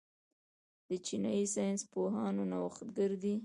چینايي ساینس پوهان نوښتګر دي.